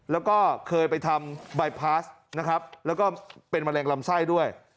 แล้วก็เคยไปทำบายพาสแล้วก็เป็นมะแรงลำไส้ด้วย